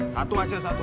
satu aja satu